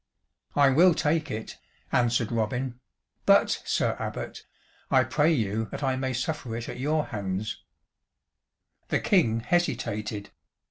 "I will take it," answered Robin, "but, Sir Abbot, I pray you that I may suffer it at your hands." The King hesitated.